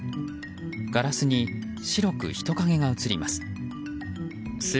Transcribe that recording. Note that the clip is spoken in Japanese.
ガラスに白く人影が映ります。